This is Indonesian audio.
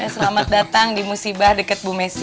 selamat datang di musibah dekat bu messi